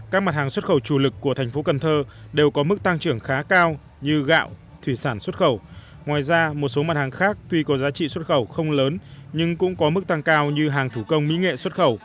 các mặt hàng xuất khẩu chủ lực của thành phố cần thơ đều có mức tăng trưởng khá cao như gạo thủy sản xuất khẩu ngoài ra một số mặt hàng khác tuy có giá trị xuất khẩu không lớn nhưng cũng có mức tăng cao như hàng thủ công mỹ nghệ xuất khẩu